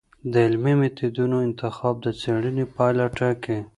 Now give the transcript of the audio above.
د علمي میتودونو انتخاب د څېړنې پایله ټاکي.